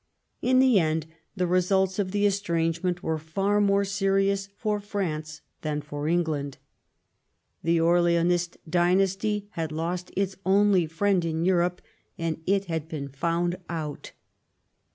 In the end the results of the estrangement were far more serious for France than for England. The Orleanist dynasty had lost its only friend in Europe, and it had been found out.